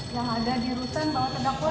yang ada di rutan bahwa terdakwa